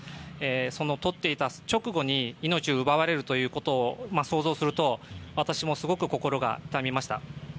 その撮っていた直後に命を奪われるということを想像すると私もすごく心が痛みました。